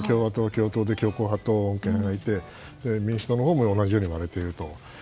共和党でも強硬派と穏健派がいて民主党のほうも同じように割れていると。